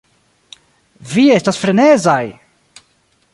Vi estas frenezaj!